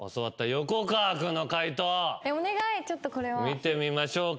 見てみましょうか。